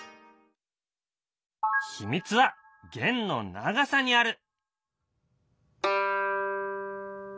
秘密は弦の長さにある。